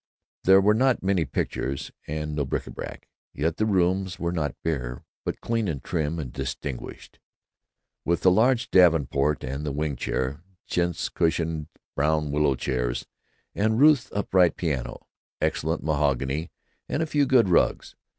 There were not many pictures and no bric à brac, yet the rooms were not bare, but clean and trim and distinguished, with the large davenport and the wing chair, chintz cushioned brown willow chairs, and Ruth's upright piano, excellent mahogany, and a few good rugs.